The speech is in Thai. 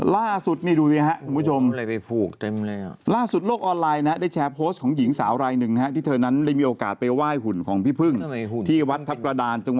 ล่าสุดนี่ดูนี่นะฮะทุกผู้ชม